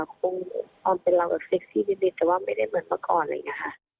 คงควรเป็นรักกับสิทธิ์ที่ดินแต่ว่าไม่ได้เหมือนเมื่อก่อนเลยนะคะ